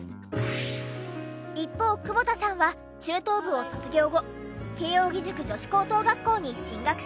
一方久保田さんは中等部を卒業後慶應義塾女子高等学校に進学し。